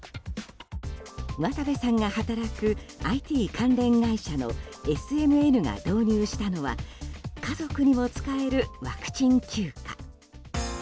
渡部さんが働くＩＴ関連会社のＳＭＮが導入したのは家族にも使えるワクチン休暇。